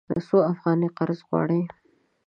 څو افغانۍ قرض غواړې؟